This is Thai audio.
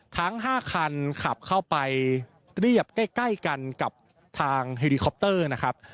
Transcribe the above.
ทั้ง๕คันขับเข้าไปเรียบใกล้กันกับทางเฮลิคอปเตอร์นะครับ